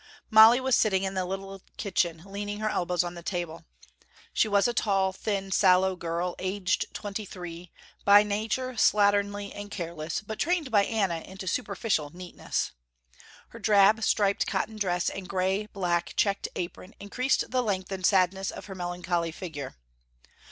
Molly was sitting in the little kitchen leaning her elbows on the table. She was a tall, thin, sallow girl, aged twenty three, by nature slatternly and careless but trained by Anna into superficial neatness. Her drab striped cotton dress and gray black checked apron increased the length and sadness of her melancholy figure.